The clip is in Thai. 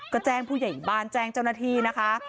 ก็แจ้งผู้ใหญ่บ้านแจ้งเจ้าหน้าที่นะคะ